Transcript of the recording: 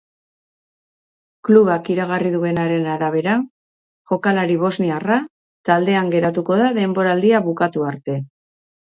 Klubak iragarri duenaren arabera, jokalari bosniarra taldean geratuko da denboraldia bukatu arte.